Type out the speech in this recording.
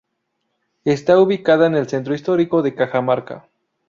Está ubicada en el Centro Histórico de Cajamarca.